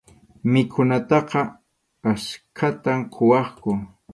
Mikhunataqa achkatam quwaqku.